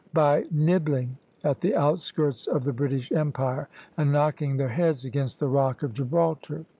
By nibbling at the outskirts of the British Empire, and knocking their heads against the Rock of Gibraltar.